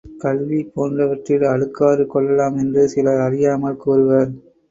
கல்வி போன்றவற்றில் அழுக்காறு கொள்ளலாம் என்று சிலர் அறியாமல் கூறுவர்.